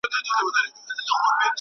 جسدونه چي ښخ سول، د افغانانو ول.